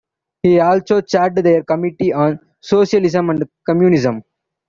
He also chaired their Committee on Socialism and Communism.